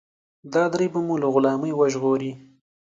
دا درې به مو له غلامۍ وژغوري.